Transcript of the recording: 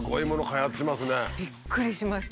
びっくりしました。